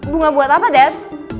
bunga buat apa dad